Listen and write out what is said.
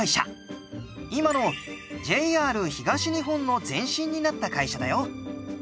今のＪＲ東日本の前身になった会社だよ。